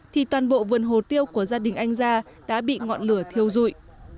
thì toàn bộ vườn hồ tiêu của gia đình anh gia đã bị ngọn lửa thiêu dụi